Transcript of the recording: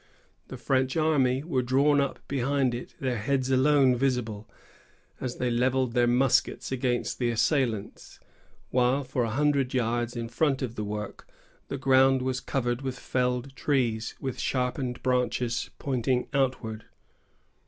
The French army were drawn up behind it, their heads alone visible, as they levelled their muskets against the assailants, while, for a hundred yards in front of the work, the ground was covered with felled trees, with sharpened branches pointing outward.